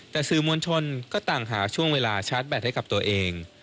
แต่สื่อมวลชนก็ต่างหาช่วงเวลาชาร์จแบตให้กับตัวเอง